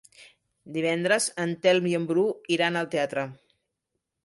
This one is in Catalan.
Divendres en Telm i en Bru iran al teatre.